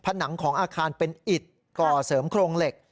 ผนังของอาคารเป็นอิดก่อเสริมโครงเหล็ก